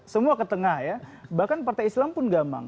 semua ke tengah ya bahkan partai islam pun gampang